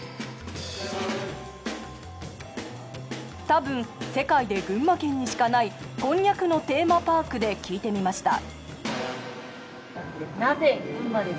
多分世界で群馬県にしかないこんにゃくのテーマパークで聞いてみました。